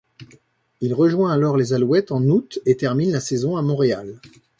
Il rejoint alors les Alouettes en août et termine la saison à Montréal.